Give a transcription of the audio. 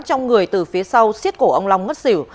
trong người từ phía sau xiết cổ ông long ngất xỉu